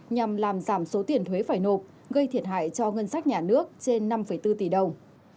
nhằm làm giảm số tiền thuế phải nộp gây thiệt hại cho ngân sách nhà nước trên năm bốn tỷ đồng